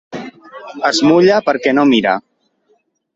Es mulla perquè no mira.